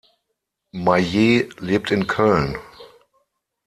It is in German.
Maye lebt in Köln.